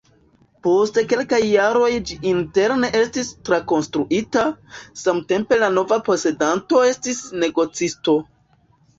Post kelkaj jaroj ĝi interne estis trakonstruita, samtempe la nova posedanto estis negocisto.